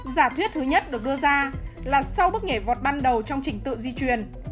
giả thuyết thứ nhất được đưa ra là sau bước nhảy vọt ban đầu trong trình tự di truyền